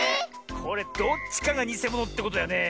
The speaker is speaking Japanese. これどっちかがにせものってことだよねえ？